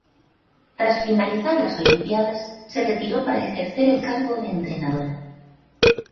Tras finalizar las olimpiadas se retiró para ejercer el cargo de entrenadora.